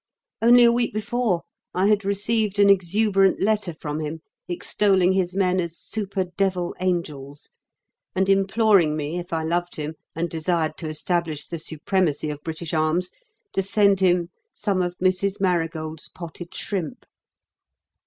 Only a week before I had received an exuberant letter from him extolling his men as "super devil angels," and imploring me if I loved him and desired to establish the supremacy of British arms, to send him some of Mrs. Marigold's potted shrimp.